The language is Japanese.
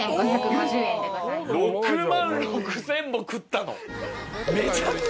６万６，０００円も食ったの？